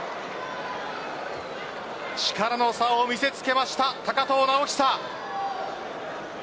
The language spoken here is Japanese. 力の差を見せつけました高藤直寿。